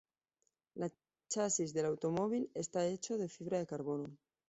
El chasis del automóvil está hecho de fibra de carbono.